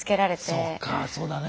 そっかそうだね。